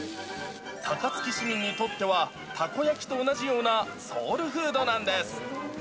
高槻市民にとっては、たこ焼きと同じようなソウルフードなんです。